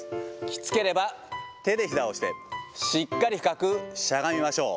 きつければ手でひざを押して、しっかり深くしゃがみましょう。